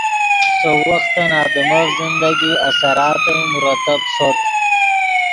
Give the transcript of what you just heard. سؤ وختن آدمف زندگی اثراتے مرتب ݰوت